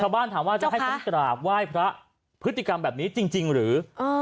ชาวบ้านถามว่าจะให้เขากราบไหว้พระพฤติกรรมแบบนี้จริงหรือ